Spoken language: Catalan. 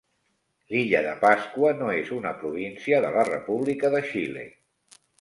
L'illa de Pasqua no és una província de la República de Xile.